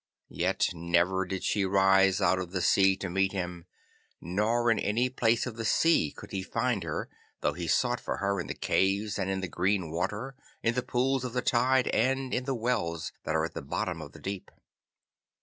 Yet never did she rise out of the sea to meet him, nor in any place of the sea could he find her though he sought for her in the caves and in the green water, in the pools of the tide and in the wells that are at the bottom of the deep.